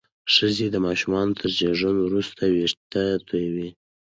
ښځې د ماشومانو تر زیږون وروسته وېښتې تویېږي.